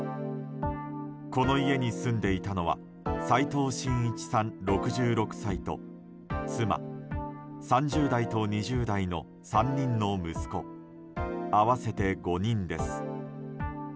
この家に住んでいたのは齋藤真一さん、６６歳と妻、３０代と２０代の３人の息子合わせて５人です。